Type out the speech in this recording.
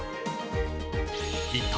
一体